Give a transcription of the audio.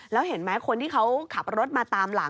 แล้วเห็นไหมคนที่เขาขับรถมาตามหลัง